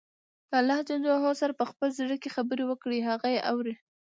له الله سره په خپل زړه کې خبرې وکړئ، هغه يې اوري.